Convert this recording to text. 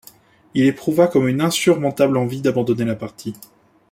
Il éprouva comme une insurmontable envie d’abandonner la partie.